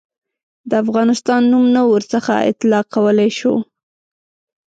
د افغانستان نوم نه ورڅخه اطلاقولای شو.